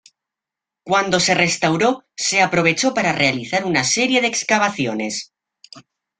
Cuando se restauró se aprovechó para realizar una serie de excavaciones.